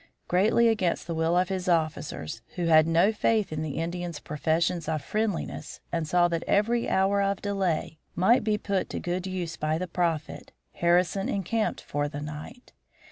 Greatly against the will of his officers, who had no faith in the Indians' professions of friendliness and saw that every hour of delay might be put to good use by the Prophet, Harrison encamped for the night.